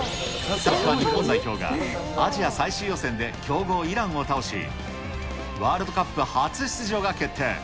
サッカー日本代表が、アジア最終予選で強豪イランを倒し、ワールドカップ初出場が決定。